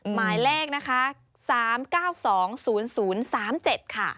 หมายเลขนะคะ๓๙๒๐๐๓๗ค่ะ